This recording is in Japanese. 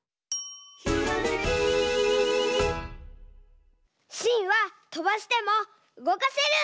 「ひらめき」しんはとばしてもうごかせるんだ！